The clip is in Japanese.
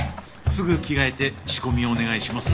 すぐ着替えて仕込みをお願いします。